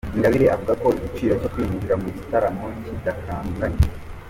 Ingabire avuga ko igiciro cyo kwinjira mu gitaramo kidakanganye.